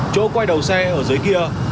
chỗ quay đầu xe ở dưới kia